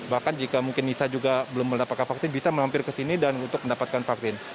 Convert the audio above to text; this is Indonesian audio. bahkan jika mungkin nisa juga belum mendapatkan vaksin bisa melampir ke sini dan untuk mendapatkan vaksin